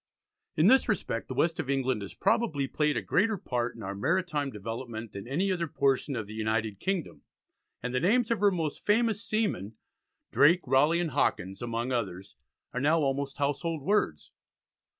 In this respect, the west of England has probably played a greater part in our maritime development than any other portion of the United Kingdom, and the names of her most famous seamen Drake, Raleigh, and Hawkins among others are now almost household words.